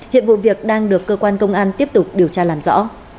hiện vụ việc đang được cơ quan công an tiếp tục điều tra làm rõ